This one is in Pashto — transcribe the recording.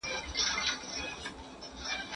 دا خبره پخوا نه وه شوې.